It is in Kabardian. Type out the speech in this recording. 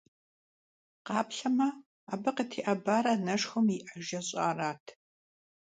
Къаплъэмэ, абы къытеӏэбар анэшхуэм и Ӏэ жэщӀарат.